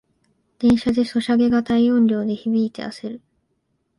電車でソシャゲが大音量で響いてあせる